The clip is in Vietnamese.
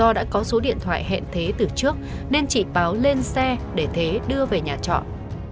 do đã có số điện thoại hẹn thế từ trước nên chị báo lên xe để thế đưa về nhà chọn